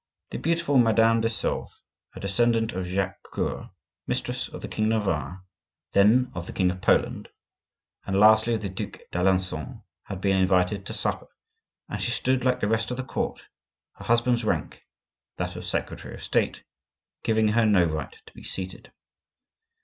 The beautiful Madame de Sauves, a descendant of Jacques Coeur, mistress of the king of Navarre, then of the king of Poland, and lastly of the Duc d'Alencon, had been invited to supper; but she stood like the rest of the court, her husband's rank (that of secretary of State) giving her no right to be seated.